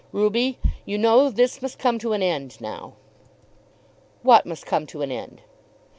"Ruby, you know, this must come to an end now." "What must come to an end?"